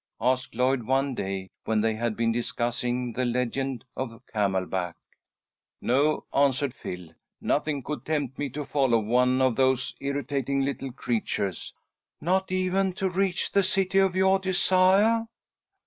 asked Lloyd, one day when they had been discussing the legend of Camelback. "No," answered Phil, "nothing could tempt me to follow one of those irritating little creatures." "Not even to reach the City of yoah Desiah?"